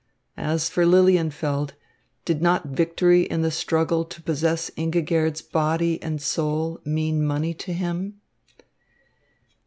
As for Lilienfeld, did not victory in the struggle to possess Ingigerd body and soul mean money to him?